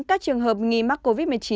các trường hợp nghi mắc covid một mươi chín